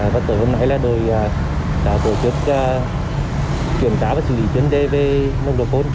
và từ hôm nay là đôi đã tổ chức kiểm tra và xử lý chuyến đề về nông đội côn